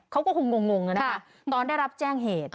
เขาก็คงงงเลยนะคะค่ะตอนได้รับแจ้ง